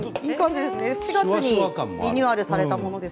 ４月にリニューアルされたものです。